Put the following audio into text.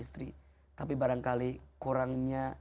tapi barangkali kurangnya